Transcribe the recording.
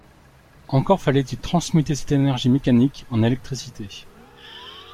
Encore fallait-il transmuter cette énergie mécanique en électricité.